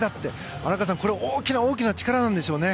荒川さん、これは大きな大きな力なんでしょうね。